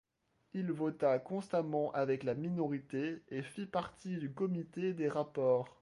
Il vota constamment avec la minorité et fit partie du comité des rapports.